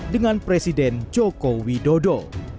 dengan presiden joko widodo